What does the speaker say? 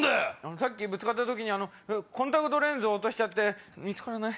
さっきぶつかった時にコンタクトレンズ落として見つからない。